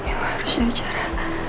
aku harus mencari cara